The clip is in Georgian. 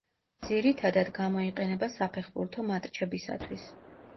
ძირითადად გამოიყენება საფეხბურთო მატჩებისათვის.